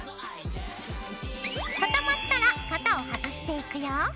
固まったら型を外していくよ。